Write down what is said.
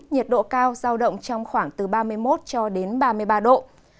nhiệt độ cao giao động trong khoảng từ ba mươi một cho đến ba mươi ba độ